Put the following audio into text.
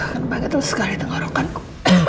kan banget lo sekali tengah rokan ku